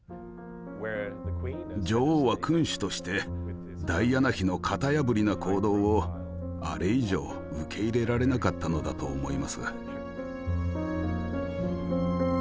女王は君主としてダイアナ妃の型破りな行動をあれ以上受け入れられなかったのだと思います。